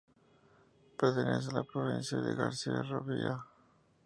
Pertenece a la provincia de García Rovira.